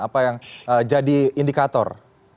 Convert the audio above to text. apa yang jadi indikator